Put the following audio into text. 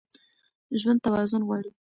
ژوند توازن غواړي.